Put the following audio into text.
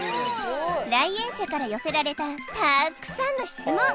来園者から寄せられたたくさんの質問